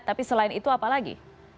tapi selain itu apa lagi